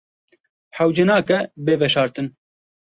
Hewce nake bê veşartin.